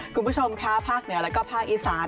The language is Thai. คุณผู้ชมค่ะภาคเหนือแล้วก็ภาคอีสาน